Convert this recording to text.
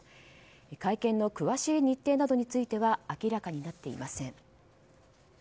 会見の詳しい日程などについては明らかになっていません。